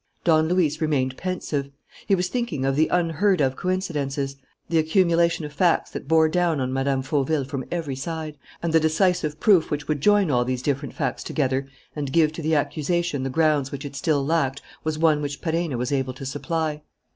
Don Luis remained pensive. He was thinking of the unheard of coincidences, the accumulation of facts that bore down on Mme. Fauville from every side. And the decisive proof which would join all these different facts together and give to the accusation the grounds which it still lacked was one which Perenna was able to supply.